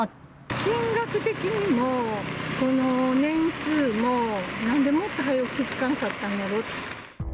金額的にもその年数も、なんでもっと早く気付かんかったんやろって。